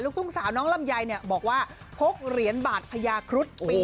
ลูกทุ่งสาวน้องลำไยเนี่ยบอกว่าพกเหรียญบาทพญาครุฑปี๒๕๑๗